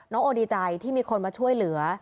โอดีใจที่มีคนมาช่วยเหลือ